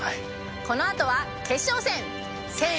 この後は決勝戦。